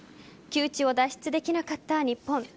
窮地を脱出できなかった日本。